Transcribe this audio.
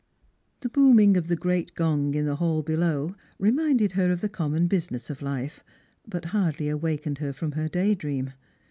The booming of the great gong in the hall below reminded her of the common business of life, but hardly awakened her from her day dream.